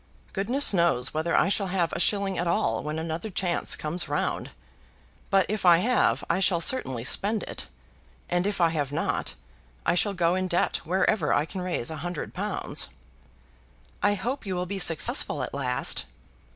Goodness knows whether I shall have a shilling at all when another chance comes round; but if I have I shall certainly spend it, and if I have not, I shall go in debt wherever I can raise a hundred pounds." "I hope you will be successful at last."